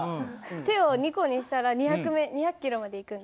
手を２個にしたら２００キロまでいくんですか？